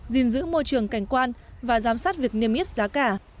gìn giữ môi trường cảnh quan và giám sát việc niêm yết giá cả